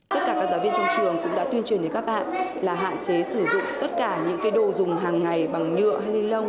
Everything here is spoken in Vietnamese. tất cả các giáo viên trong trường cũng đã tuyên truyền đến các bạn là hạn chế sử dụng tất cả những đồ dùng hàng ngày bằng nhựa hay ni lông